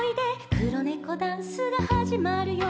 「くろネコダンスがはじまるよ」